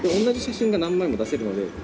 同じ写真が何枚も出せるので。